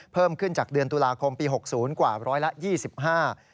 เพิ่มขึ้นจากเดือนตุลาคมปี๖๐กว่า๑๒๕บาท